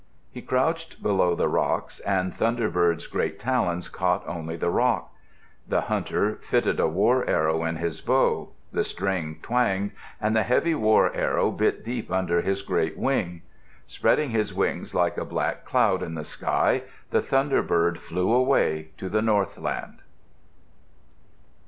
He crouched below the rocks and the thunderbird's great talons caught only the rock. The hunter fitted a war arrow in his bow, the string twanged, and the heavy war arrow bit deep under his great wing. Spreading his wings like a black cloud in the sky, the thunderbird flew away to the northland.